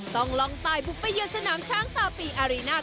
ต้องลองตายบุกไปเยือนสนามช้างซาปีอารีน่า